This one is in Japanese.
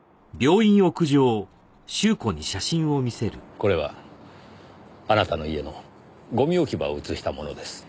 これはあなたの家のゴミ置き場を写したものです。